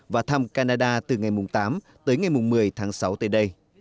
và thăm canada từ ngày tám tới ngày một mươi tháng sáu tới đây